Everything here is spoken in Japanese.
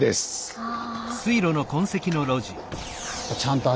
ああ。